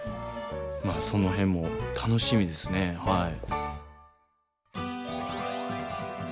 まあその辺も楽しみですねはい。